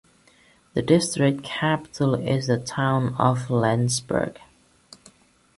The district capital is the town of Lenzburg.